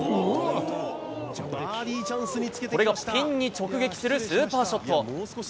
これがピンに直撃するスーパーショット。